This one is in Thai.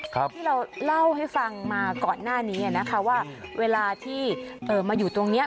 ที่เราเล่าให้ฟังมาก่อนหน้านี้นะคะว่าเวลาที่เอ่อมาอยู่ตรงเนี้ย